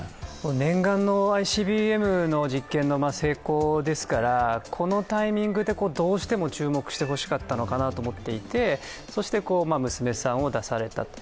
念願のＩＣＢＭの実験の成功ですからこのタイミングでどうしても注目してほしかったのかなと思っていてそして娘さんを出された。